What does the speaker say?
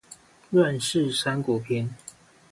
亂世三國篇